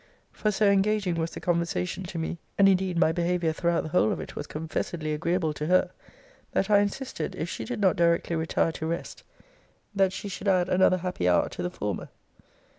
For so engaging was the conversation to me, (and indeed my behaviour throughout the whole of it was confessedly agreeable to her,) that I insisted, if she did not directly retire to rest, that she should add another happy hour to the former.